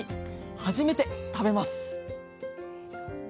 初めて食べます！